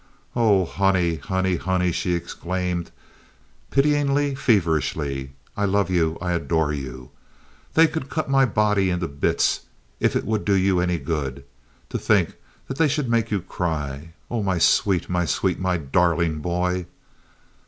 "Oh, honey, honey, honey!" she exclaimed, pityingly feverishly. "I love you, I adore you. They could cut my body into bits if it would do you any good. To think that they should make you cry! Oh, my sweet, my sweet, my darling boy!"